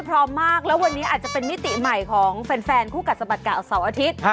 และวันนี้อาจจะเป็นนิติใหม่ของแฟนคู่กัดสมัติกาลเศร้าอาทิตย์